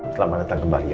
selamat datang kembali ya